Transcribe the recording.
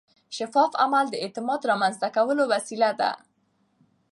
شفاف عمل د اعتماد رامنځته کولو وسیله ده.